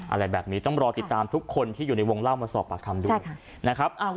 อะไรแบบนี้ต้องรอติดตามทุกคนที่อยู่ในวงเล่ามาสอบปากคำด้วยนะครับ